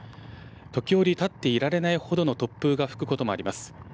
時折、立っていられないほどの突風が吹くこともあります。